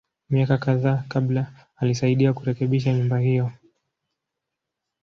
Miaka kadhaa kabla, alisaidia kurekebisha nyumba hiyo.